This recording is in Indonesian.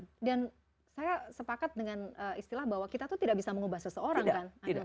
dan saya sepakat dengan istilah bahwa kita tuh tidak bisa mengubah seseorang kan